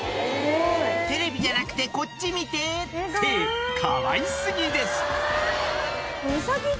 「テレビじゃなくてこっち見て」ってかわいすぎです